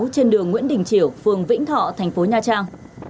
trên đường nguyễn đình triều phường vĩnh thọ thành phố nha trang